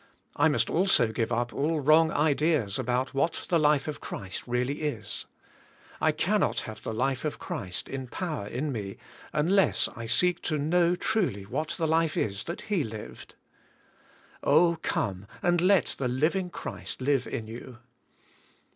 I must also give up all wrong ideas about what the life of Christ really is. I can not have the life of Christ, in power, in me, unless I seek to know truly what the life is that He lived. Oh! come, and let the living Christ live in you.